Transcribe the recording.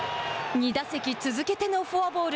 ２打席続けてのフォアボール。